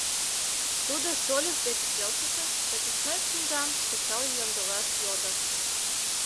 Тудо шольыж деч келшыше «записной книгам» кычал ямдылаш йодо.